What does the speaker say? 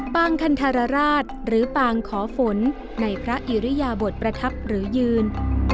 คันธรราชหรือปางขอฝนในพระอิริยบทประทับหรือยืน